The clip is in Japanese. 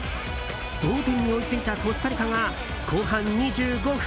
同点に追いついたコスタリカが後半２５分。